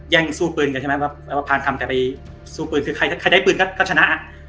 แย่งสู้ปืนกันใช่ไหมพานคำกันไปสู้ปืนคือใครได้ปืนก็ชนะ